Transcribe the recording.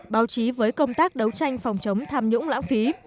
báo chí với công tác đấu tranh phòng chống tham nhũng lãng phí